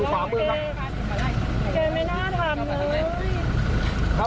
นะครับนะครับ